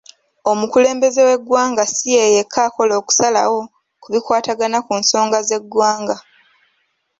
Omukulembeze w'eggwanga si yeyekka akola okusalawo ku bikwatagana ku nsonga z'eggwanga.